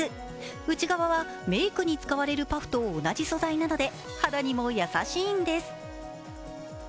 内側はメイクに使われるパフと同じ素材なので、肌にも優しいんです。